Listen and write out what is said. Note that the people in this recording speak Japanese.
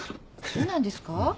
そうなんですか？